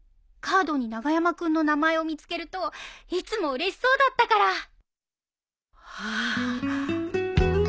カードに長山君の名前を見つけるといつもうれしそうだったから。